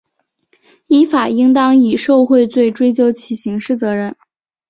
依法应当以受贿罪追究其刑事责任